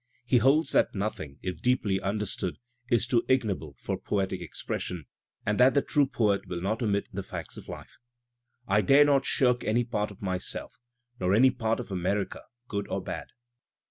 He holds that noth ing, if deeply understood, is too ignoble for poetic ex« Digitized by Google WHITMAN 219 pression, and that the true poet will not omit the facts of life. I dare not shirk any part of myself. Not any part of America good or bad.